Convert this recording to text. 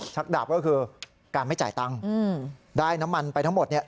ดาบก็คือการไม่จ่ายตังค์ได้น้ำมันไปทั้งหมดเนี่ย